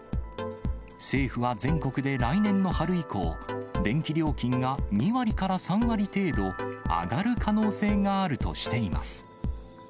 政府は全国で来年の春以降、電気料金が２割から３割程度、上がる可能性があるとしています。